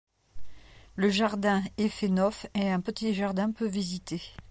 Le jardin Yefe Nof est un petit jardin peu visité.